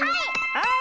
はい！